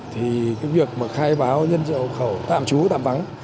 thì việc khai báo nhân trợ khẩu tạm trú tạm vắng